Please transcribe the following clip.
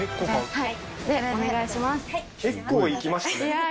はい。